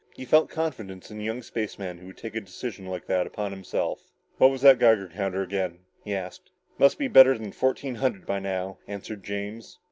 He felt confidence in a young spaceman who would take a decision like that on himself. "What was that Geiger count again?" he asked. "Must be better than fourteen hundred by now," answered James.